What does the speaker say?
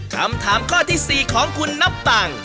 คำถามข้อที่๔ของคุณนับต่าง